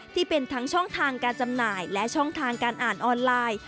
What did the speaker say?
ที่เป็นทั้งช่องทางการจำหน่ายและช่องทางการอ่านออนไลน์